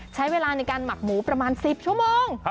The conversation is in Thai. ใช้เวลาในการหมักหมูประมาณ๑๐ชั่วโมง